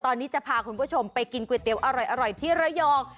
ตอนนี้จะพาคุณผู้ชมไปกินก๋วยเตี๋ยวอร่อยที่ระยอง